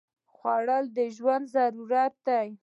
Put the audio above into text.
خوړل د ژوند ضرورت دی